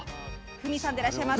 芙美さんでいらっしゃいます。